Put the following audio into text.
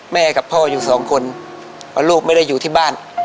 แม่กับพ่ออยู่สองคนลูกไม่ได้อยู่ที่บ้าน